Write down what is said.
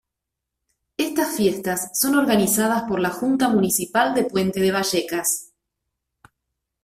Estas fiestas son organizadas por la Junta Municipal de Puente de Vallecas.